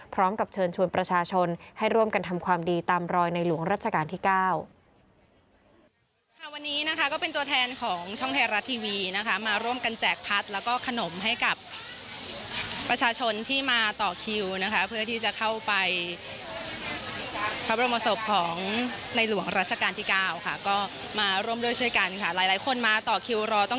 พร้อมกับเชิญชวนประชาชนให้ร่วมกันทำความดีตามรอยในหลวงรัชกาลที่เก้าค่ะ